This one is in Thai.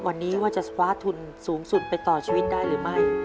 วันนี้ว่าจะคว้าทุนสูงสุดไปต่อชีวิตได้หรือไม่